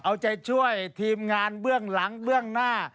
เอาใจช่วยทีมงานเบื้องหลังเบื้องหน้า